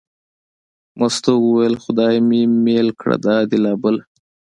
مستو وویل: خدای مې مېل کړه دا دې لا بله.